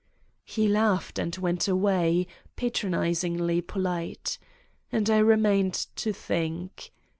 He laughed and went away, patronizingly po lite. And I remained to think.